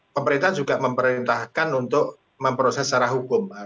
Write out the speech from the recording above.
pemerintah juga memerintahkan untuk memproses secara hukum